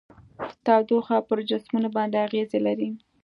تودوخه پر جسمونو باندې اغیزې لري.